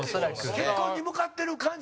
結婚に向かってる感じ？